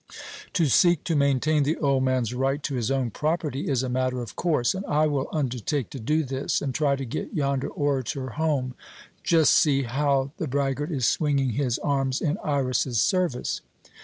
To seek to maintain the old man's right to his own property is a matter of course, and I will undertake to do this and try to get yonder orator home Just see how the braggart is swinging his arms in Iras's service!